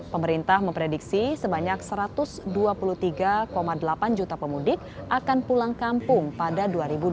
pemerintah memprediksi sebanyak satu ratus dua puluh tiga delapan juta pemudik akan pulang kampung pada dua ribu dua puluh